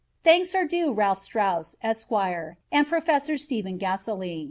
Thanks are due Ralph Straus, Esq., and Professor Stephen Gaselee.